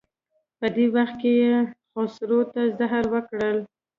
په دې وخت کې یې خسرو ته زهر ورکړل.